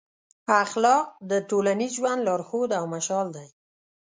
اخلاق د ټولنیز ژوند لارښود او مشال دی.